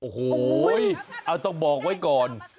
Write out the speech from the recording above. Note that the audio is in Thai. โอ้โหเอาต้องบอกไว้ก่อน